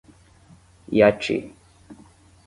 Iati